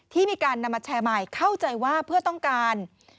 ที่มีการนำมาแชร์ใหม่เข้าใจว่าเพื่อต้องการ